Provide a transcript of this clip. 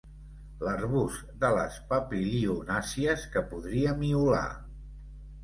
L'arbust de les papilionàcies que podria miolar.